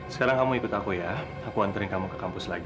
sekarang kamu ikut aku ya aku anterin kamu ke kampus lagi